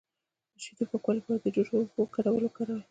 د شیدو د پاکوالي لپاره د جوش او اوبو ګډول وکاروئ